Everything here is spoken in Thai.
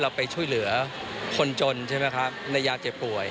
ไปช่วยเหลือคนจนใช่ไหมครับในยาเจ็บป่วย